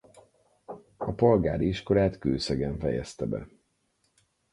A polgári iskolát Kőszegen fejezte be.